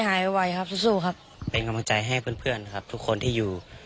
หายไวครับสู้ครับเป็นกำลังใจให้เพื่อนเพื่อนครับทุกคนที่อยู่